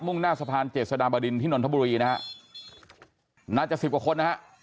มุ่งหน้าสะพานเจษฎาบาดินที่นนทะบุรีนะฮะ๖๐วันนะฮะ